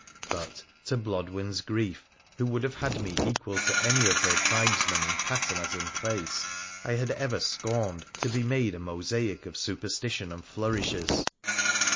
But, to Blodwen's grief, who would have had me equal to any of her tribesmen in pattern as in place, I had ever scorned to be made a mosaic of superstition and flourishes.